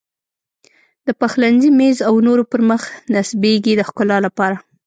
د پخلنځي میز او نورو پر مخ نصبېږي د ښکلا لپاره.